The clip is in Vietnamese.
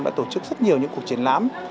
đã tổ chức rất nhiều những cuộc triển lãm